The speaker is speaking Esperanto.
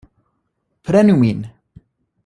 Prenu min!